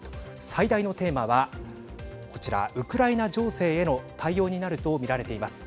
最大のテーマはこちら、ウクライナ情勢への対応になると見られています。